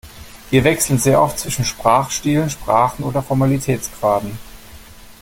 Wir wechseln sehr oft zwischen Sprachstilen, Sprachen oder Formalitätsgraden.